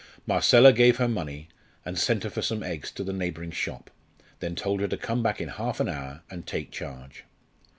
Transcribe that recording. Marcella gave her money, and sent her for some eggs to the neighbouring shop, then told her to come back in half an hour and take charge.